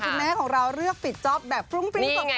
คุณแม่ของเราเลือกปิดจ๊อปแบบฟรุ้งฟริ้งก่อน